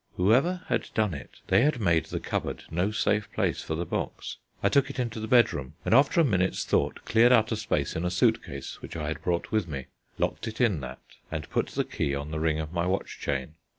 Whoever had done it, they had made the cupboard no safe place for the box. I took it into the bedroom and after a minute's thought cleared out a space in a suit case which I had brought with me, locked it in that, and put the key on the ring of my watch chain.